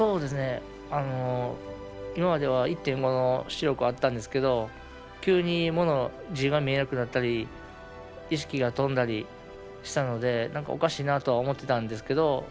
今までは１．５の視力があったんですけど急に物、字が見えなくなったり意識が飛んだりしたのでおかしいなとは思っていたんですけど。